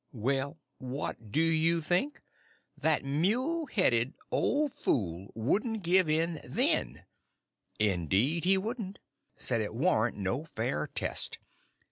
Well, what do you think? That muleheaded old fool wouldn't give in then! Indeed he wouldn't. Said it warn't no fair test.